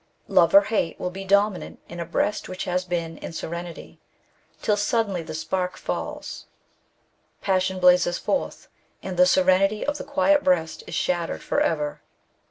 Love or hate will be dominant in a breast which has been in serenity, tiU suddenly the spark falls, passion blazes forth, and the serenity of the quiet breast is shattered for ever.